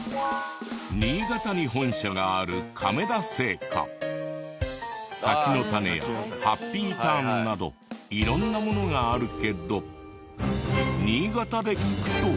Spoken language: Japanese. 新潟に本社がある柿の種やハッピーターンなど色んなものがあるけど新潟で聞くと。